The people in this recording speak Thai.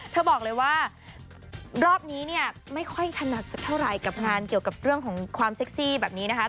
เธอบอกเลยว่ารอบนี้เนี่ยไม่ค่อยถนัดสักเท่าไหร่กับงานเกี่ยวกับเรื่องของความเซ็กซี่แบบนี้นะคะ